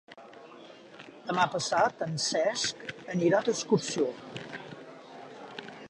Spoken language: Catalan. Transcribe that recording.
Demà passat en Cesc anirà d'excursió.